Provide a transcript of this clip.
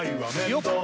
よっ！